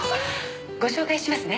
ご紹介しますね。